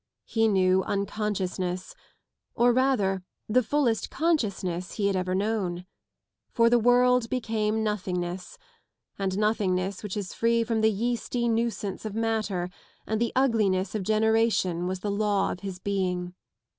He knew unconsciousness, or rather the fullest consciousness he had ever known. For the world became nothingness, and nothingness which is free from the yeasty nuisance of matter and the ugliness of generation was the law of his being.